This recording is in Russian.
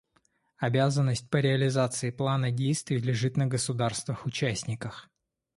Обязанность по реализации Плана действий лежит на государствах-участниках.